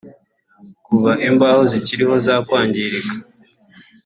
Kuva imbaho zikiriho zakwangirika